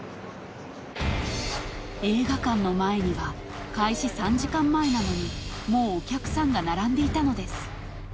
［映画館の前には開始３時間前なのにもうお客さんが並んでいたのです］